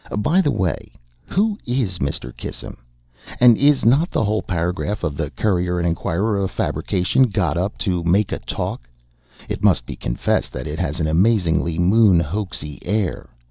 By the way, who is Mr. Kissam? and is not the whole paragraph in the 'Courier and Enquirer' a fabrication got up to 'make a talk'? It must be confessed that it has an amazingly moon hoaxy air.